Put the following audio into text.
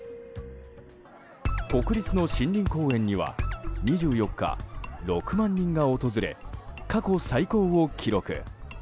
国立の森林公園には２４日、６万人が訪れ過去最高を記録。